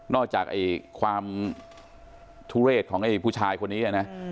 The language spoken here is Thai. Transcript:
นอกจากไอความทุเรศของไอผู้ชายคนนี้เนี่ยนะอืม